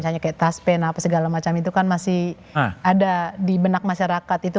misalnya kayak taspen apa segala macam itu kan masih ada di benak masyarakat itu